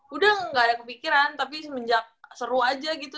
udah gak ada kepikiran tapi semenjak seru aja gitu